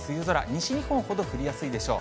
西日本ほど降りやすいでしょう。